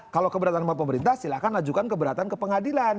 kalau keberatan sama pemerintah silakan lajukan keberatan ke pengadilan